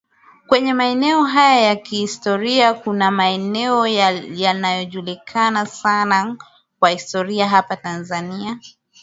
kwenye maeneo haya ya kihistoria Kuna maeneo yanajulikana sana kwa historia hapa Tanzania